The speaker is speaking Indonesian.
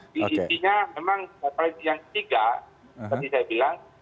di intinya memang prinsip yang ketiga seperti saya bilang